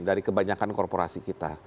dari kebanyakan korporasi kita